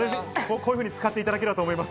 こういうふうに使っていただければと思います。